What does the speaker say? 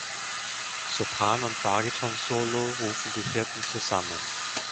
Sopran- und Bariton-Solo rufen die Hirten zusammen.